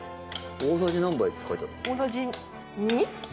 大さじ何杯って書いてあった？